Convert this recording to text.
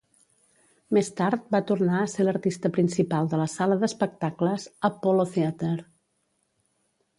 Més tard va tornar a ser l'artista principal de la sala d'espectacles Apollo Theater.